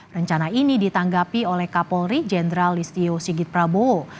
rencana ini ditanggapi oleh kapolri jenderal listio sigit prabowo